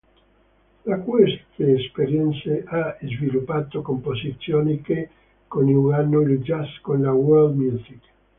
Da queste esperienze ha sviluppato composizioni che coniugano il jazz con la world music.